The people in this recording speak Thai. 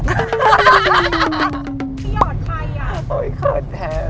พี่หยอดใครอะโอ้ยเขินแทน